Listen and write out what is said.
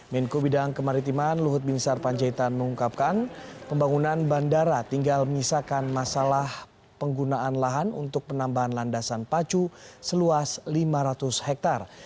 menko bidang kemaritiman luhut binsar panjaitan mengungkapkan pembangunan bandara tinggal menyisakan masalah penggunaan lahan untuk penambahan landasan pacu seluas lima ratus hektare